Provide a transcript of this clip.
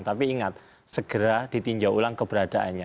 tapi ingat segera ditinjau ulang keberadaannya